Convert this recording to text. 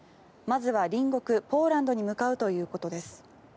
まずは隣国ポーランドに向かうということです。